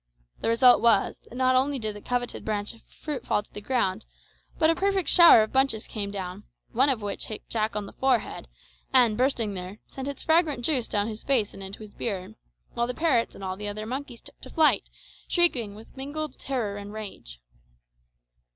The result was, that not only did the coveted bunch of fruit fall to the ground, but a perfect shower of bunches came down, one of which hit Jack on the forehead, and, bursting there, sent its fragrant juice down his face and into his beard, while the parrots and all the other monkeys took to flight, shrieking with mingled terror and rage.